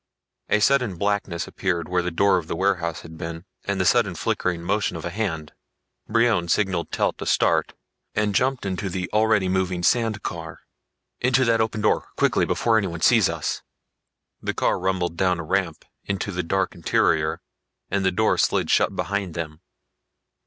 A sudden blackness appeared where the door of the warehouse had been, and the sudden flickering motion of a hand. Brion signaled Telt to start, and jumped into the already moving sand car. "Into that open door quickly, before anyone sees us!" The car rumbled down a ramp into the dark interior and the door slid shut behind them.